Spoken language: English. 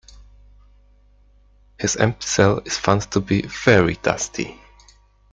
His empty cell is found to be very dusty.